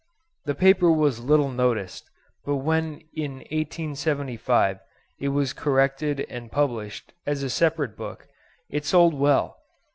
The paper was little noticed, but when in 1875 it was corrected and published as a separate book it sold well.